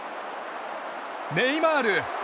ネイマール！